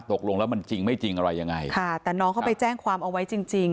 ตกลงแล้วมันจริงไม่จริงอะไรยังไงค่ะแต่น้องเขาไปแจ้งความเอาไว้จริงจริง